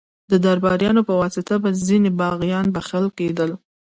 د درباریانو په واسطه به ځینې باغیان بخښل کېدل.